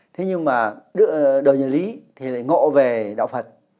thế nhưng mà đời nhà lý thì lại ngộ về đạo phật